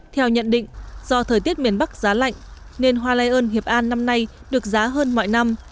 theo nhận định do thời tiết miền bắc giá lạnh nên hoa lây ơn hiệp an năm nay được giá hơn mọi năm